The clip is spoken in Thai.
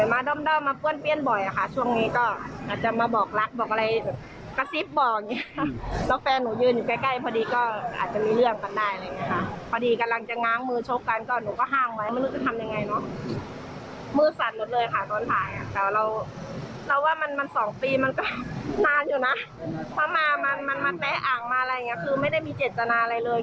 มันแม้อ่างมาอะไรอย่างนี้คือไม่ได้มีเจรญจณะอะไรเลย